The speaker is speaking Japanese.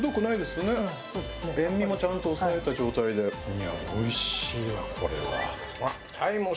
いやおいしいわこれは。